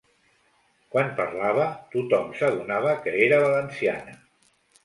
Quan parlava, tothom s'adonava que era valenciana.